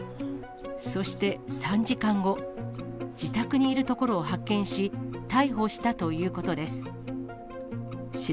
そして３時間後、自宅にいるところを発見し、逮捕したということです。